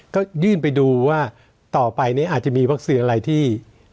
ก็ยื่นไปดูว่าต่อไปนี้อาจจะมีวัคซีนอะไรที่